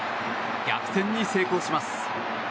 逆転に成功します。